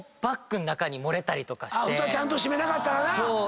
ふたちゃんと閉めなかったらな。